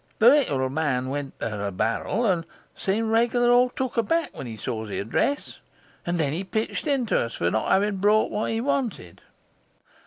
The little man went up to the barrel, and seemed regularly all took aback when he saw the address, and then he pitched into us for not having brought what he wanted.